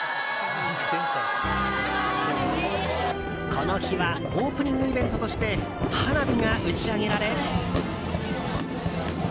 この日はオープニングイベントとして花火が打ち上げられ。